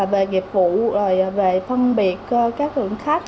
về nghiệp vụ về phân biệt các lượng khách